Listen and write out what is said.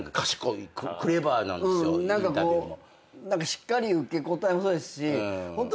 しっかり受け答えもそうですしホント何か。